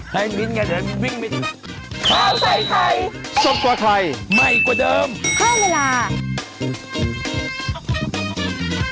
ให้มิ้นไงเดี๋ยวให้มิ้นมิ้น